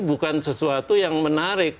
bukan sesuatu yang menarik